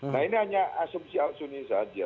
nah ini hanya asumsi asumni saja